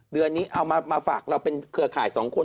เดือนนี้เราเป็นเครือข่ายสองคน